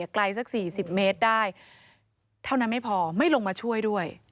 ไกลสัก๔๐เมตรได้เท่านั้นไม่พอไม่ลงมาช่วยด้วย